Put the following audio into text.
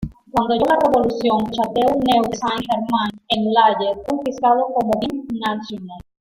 Cuando llegó la Revolución, el château Neuf de Saint-Germain-en-Laye fue confiscado como bien national.